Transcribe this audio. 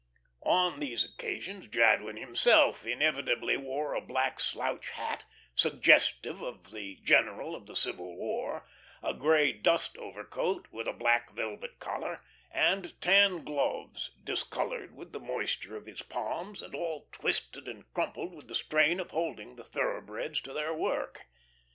On these occasions Jadwin himself inevitably wore a black "slouch" hat, suggestive of the general of the Civil War, a grey "dust overcoat" with a black velvet collar, and tan gloves, discoloured with the moisture of his palms and all twisted and crumpled with the strain of holding the thoroughbreds to their work.